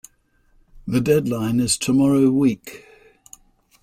The deadline is tomorrow week